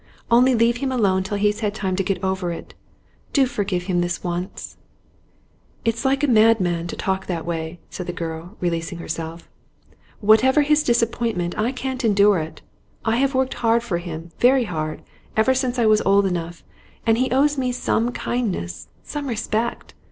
Only leave him alone till he's had time to get over it. Do forgive him this once.' 'It's like a madman to talk in that way,' said the girl, releasing herself. 'Whatever his disappointment, I can't endure it. I have worked hard for him, very hard, ever since I was old enough, and he owes me some kindness, some respect.